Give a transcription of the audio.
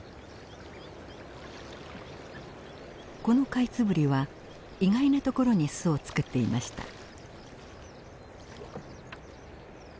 このカイツブリは意外なところに巣を作っていました。